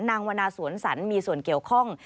วนาสวนสันมีส่วนเกี่ยวข้อง